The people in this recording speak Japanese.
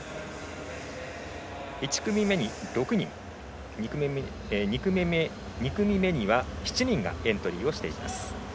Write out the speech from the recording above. １組目に６人２組目には７人がエントリーしています。